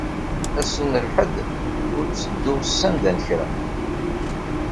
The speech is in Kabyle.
Ass n Lḥedd, ur ttedduɣ sanda n kra.